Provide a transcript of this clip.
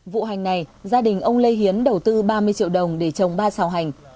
vụ hành này gia đình ông lê hiến đầu tư ba mươi triệu đồng để trồng ba xào hành